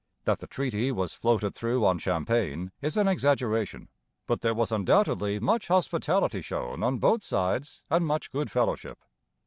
That the treaty 'was floated through on champagne' is an exaggeration; but there was undoubtedly much hospitality shown on both sides and much good fellowship.